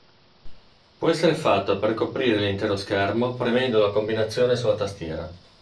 Può essere fatto per coprire l'intero schermo premendo la combinazione sulla tastiera.